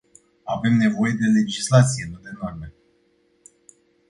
Avem nevoie de legislație, nu de norme.